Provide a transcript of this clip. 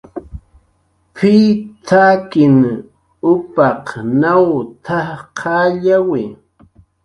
"P""iy t""akin upaq nawn t""aj qallyawi"